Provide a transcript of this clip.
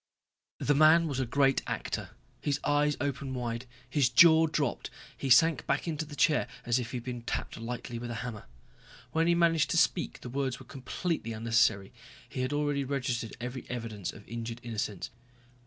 The man was a great actor. His eyes opened wide, his jaw dropped, he sank back into the chair as if he had been tapped lightly with a hammer. When he managed to speak the words were completely unnecessary; he had already registered every evidence of injured innocence.